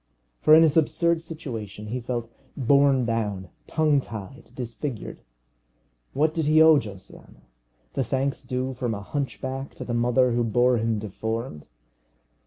For in his absurd situation he felt borne down, tongue tied, disfigured. What did he owe Josiana? The thanks due from a hunchback to the mother who bore him deformed.